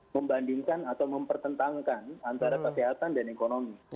membandingkan atau mempertentangkan antara kesehatan dan ekonomi